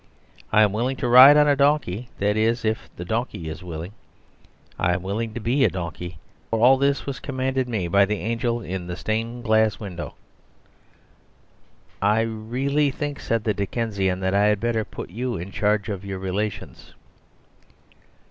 I am willing to ride on a donkey; that is, if the donkey is willing. I am willing to be a donkey; for all this was commanded me by the angel in the stained glass window." "I really think," said the Dickensian, "that I had better put you in charge of your relations."